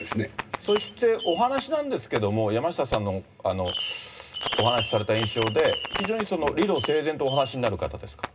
そして、お話なんですけども、山下さんのお話された印象で、非常に理路整然とお話しになる方ですか。